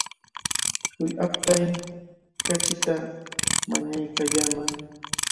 Huk aptay kachita mañaykallamay.